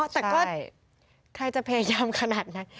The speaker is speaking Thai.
แต่ก็ใครจะพยายามขนาดนั้น